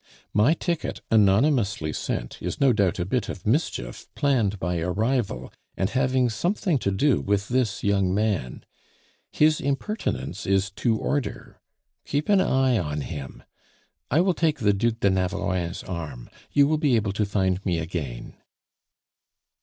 My ticket, anonymously sent, is no doubt a bit of mischief planned by a rival and having something to do with this young man. His impertinence is to order; keep an eye on him. I will take the Duc de Navarrein's arm. You will be able to find me again."